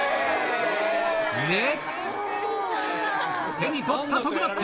手に取った時だった！